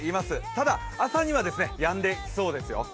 ただ朝にはやんできそうですよ。